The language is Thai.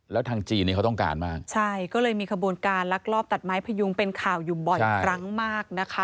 แล้วทางจีนนี้เขาต้องการมากใช่ก็เลยมีขบวนการลักลอบตัดไม้พยุงเป็นข่าวอยู่บ่อยครั้งมากนะคะ